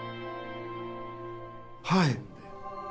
はい。